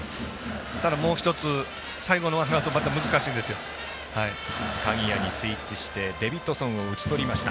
ただ、もう１つ最後の打者は鍵谷にスイッチしてデビッドソンを打ち取りました。